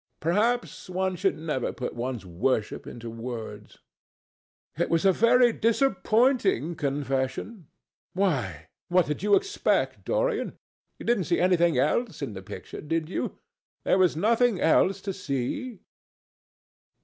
Perhaps one should never put one's worship into words." "It was a very disappointing confession." "Why, what did you expect, Dorian? You didn't see anything else in the picture, did you? There was nothing else to see?"